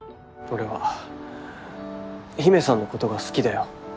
俺は陽芽さんのことが好きだよ